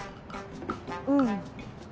うん。